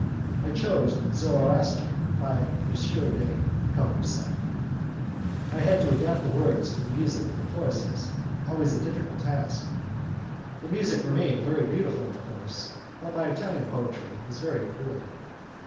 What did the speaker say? I chose 'Zoroastre', by M. de Cahusac. I had to adapt words to the music of the choruses, always a difficult task. The music remained very beautiful, of course, but my Italian poetry was very poor.